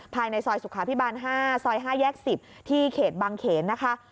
ภายในซอยสุขภาพิบาลห้าซอยห้าแยกสิบที่เขตบางเขนนะคะ